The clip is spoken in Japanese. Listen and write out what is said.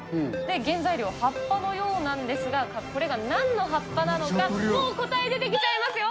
原材料、葉っぱのようなんですが、これがなんの葉っぱなのか、もう答え出てきちゃいますよ。